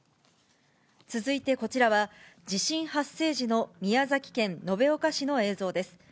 続いてこちらは、地震発生時の宮崎県延岡市の映像です。